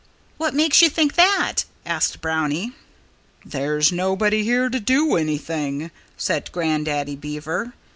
"What makes you think that?" asked Brownie. "There's nobody here to do anything," said Grandaddy Beaver.